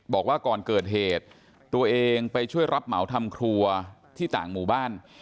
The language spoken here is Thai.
บอกว่าก่อนเกิดเหตุตัวเองไปช่วยรับเหมาทำครัวที่ต่างหมู่บ้าน